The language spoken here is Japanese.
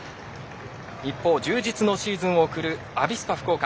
一方、充実のシーズンを送るアビスパ福岡。